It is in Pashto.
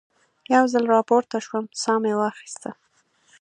یو ځل را پورته شوم، ساه مې واخیسته.